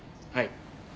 はい。